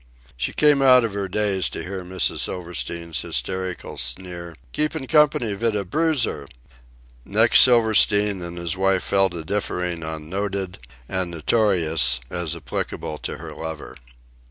She came out of her daze to hear Mrs. Silverstein's hysterical sneer, "keepin' company vit a bruiser." Next, Silverstein and his wife fell to differing on "noted" and "notorious" as applicable to her lover.